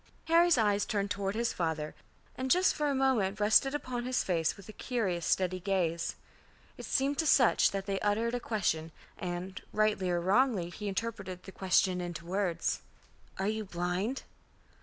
Harry's eyes turned toward his father, and just for a moment rested upon his face with a curious steady gaze. It seemed to Sutch that they uttered a question, and, rightly or wrongly, he interpreted the question into words: "Are you blind?"